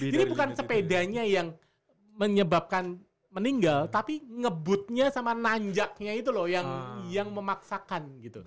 jadi bukan sepedanya yang menyebabkan meninggal tapi ngebutnya sama nanjaknya itu loh yang memaksakan gitu